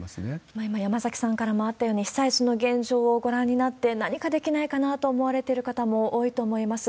今、山崎さんからもあったように、被災地の現状をご覧になって、何かできないかなと思われてる方も多いと思います。